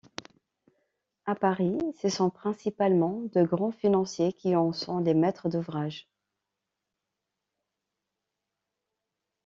À Paris, ce sont principalement de grands financiers qui en sont les maîtres d'ouvrage.